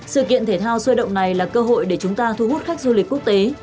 sự kiện thể thao sôi động này là cơ hội để chúng ta thu hút khách du lịch quốc tế